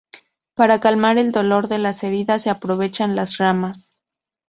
Para calmar el dolor de las heridas se aprovechan las ramas.